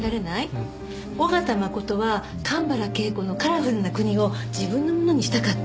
緒方真琴は神原恵子の『カラフルなくに』を自分のものにしたかった。